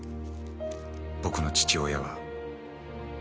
「僕の父親は」